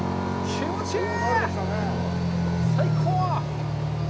気持ちいい！